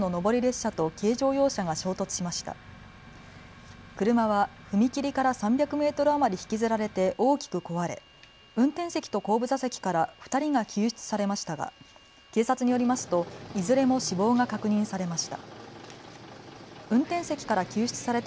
車は踏切から３００メートル余り引きずられて大きく壊れ運転席と後部座席から２人が救出されましたが警察によりますといずれも死亡が確認されました。